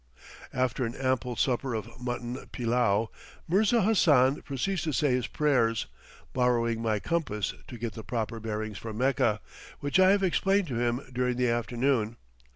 After an ample supper of mutton pillau, Mirza Hassan proceeds to say his prayers, borrowing my compass to get the proper bearings for Mecca, which I have explained to him during the afternoon.